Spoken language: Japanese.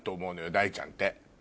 大ちゃんて。